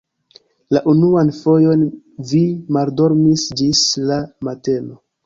La unuan fojon vi maldormis ĝis la mateno.